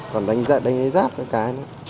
còn đánh giáp đánh giáp các cái nữa